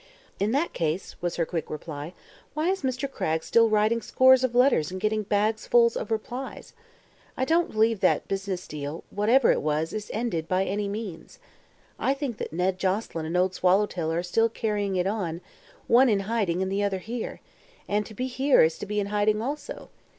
"In that case," was her quick reply, "why is Mr. Cragg still writing scores of letters and getting bags full of replies? I don't believe that business deal whatever it was is ended, by any means. I think that Ned Joselyn and Old Swallowtail are still carrying it on, one in hiding and the other here and to be here is to be in hiding, also.